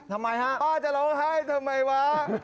ทำไมฮะป้าจะร้องไห้ทำไมวะ